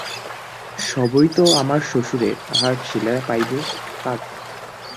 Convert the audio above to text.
সবই তো আমার শ্বশুরের, তাঁহার ছেলেরা পাইবে, পাক।